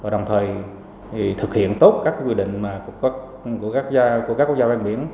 rồi thực hiện tốt các quy định của các quốc gia ban biển